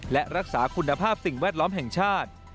และรักษาคุณภาพสิ่งแวดล้อมแห่งชาติ